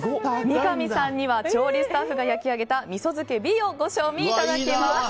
三上さんには調理スタッフが焼き上げた味噌漬けＢをご賞味いただきます。